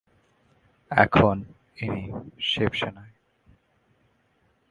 এখন ইনি শিবসেনায়।